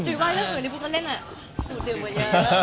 จุยว่าในเรื่องอื่นพูดแล้วอ่ะโดดดื่มกว่าที่เดียว